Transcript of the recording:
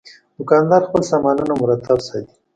دوکاندار خپل سامانونه مرتب ساتي.